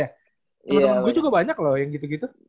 temen temen gue juga banyak loh yang gitu gitu